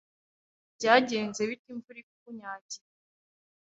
Byagenze bite imvura ikunyagiye?